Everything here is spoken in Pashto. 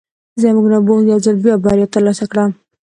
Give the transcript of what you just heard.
زما نبوغ یو ځل بیا بریا ترلاسه کړه